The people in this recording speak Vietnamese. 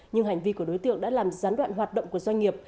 nhưng hành vi của đối tượng đã làm gián đoạn hoạt động của doanh nghiệp